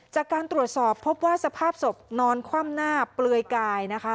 จากการตรวจสอบพบว่าสภาพศพนอนคว่ำหน้าเปลือยกายนะคะ